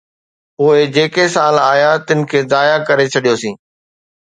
پوءِ جيڪي سال آيا، تن کي ضايع ڪري ڇڏيوسين.